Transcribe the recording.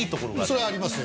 それはありますよ。